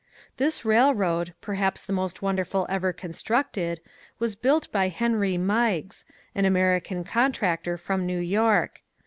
This railroad, perhaps the most wonderful ever constructed, was built by Henry Meiggs, an American contractor from New York.